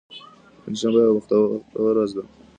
پنجشنبه یوه بوخته ورځ ده.